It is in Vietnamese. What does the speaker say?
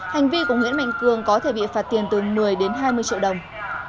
hành vi của nguyễn mạnh cường có thể bị phạt tiền từ một mươi đến hai mươi triệu đồng